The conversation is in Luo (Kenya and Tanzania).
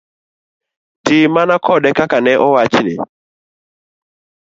Ti mana kode kaka ne owachni.